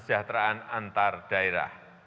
perataan kesejahteraan antar daerah